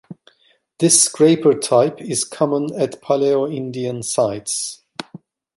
This scraper type is common at Paleo-Indian sites.